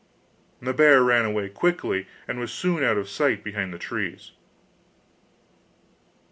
The bear ran away quickly, and was soon out of sight behind the trees.